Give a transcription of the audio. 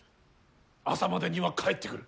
朝までには帰ってくる。